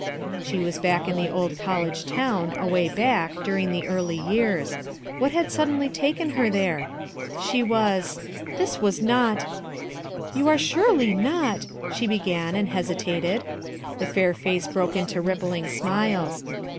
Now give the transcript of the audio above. She was back in the old college town, away back, among the early years. What had suddenly taken her there? She was — this was notl — "You are surely not," she began, and hesi tatecL The fair face broke into rippling smiles.